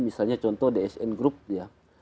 misalnya contoh dsn group ya